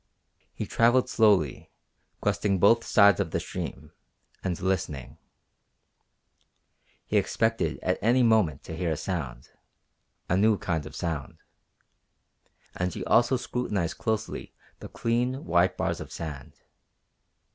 He travelled slowly, questing both sides of the stream, and listening. He expected at any moment to hear a sound, a new kind of sound. And he also scrutinized closely the clean, white bars of sand.